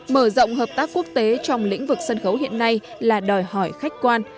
mở rộng hợp tác quốc tế trong lĩnh vực sân khấu hiện nay là đòi hỏi khách quan